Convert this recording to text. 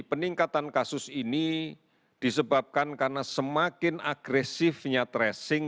peningkatan kasus ini disebabkan karena semakin agresifnya tracing